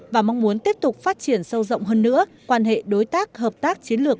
và mong muốn tiếp tục phát triển sâu rộng hơn nữa quan hệ đối tác hợp tác chiến lược